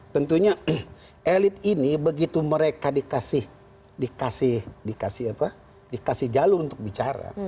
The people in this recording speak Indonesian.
tentunya elit ini begitu mereka dikasih jalur untuk bicara